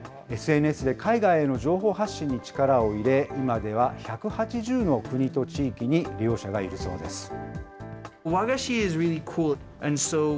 ＳＮＳで海外への情報発信に力を入れ、今では１８０の国と地域に利用者がいるそうです。